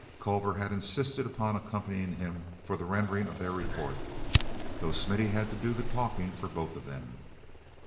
Culver had insisted upon accompanying him for the rendering of their report, though Smithy had to do the talking for both of them.